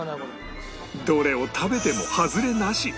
どれを食べても外れなし